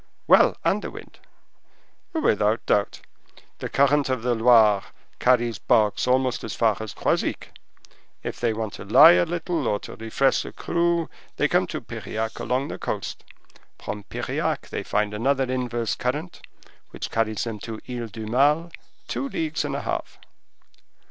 "Well, and the wind." "Without doubt; the current of the Loire carries barks almost as far as Croisic. If they want to lie by a little, or to refresh the crew, they come to Piriac along the coast; from Piriac they find another inverse current, which carries them to the Isle Dumal, two leagues and a half."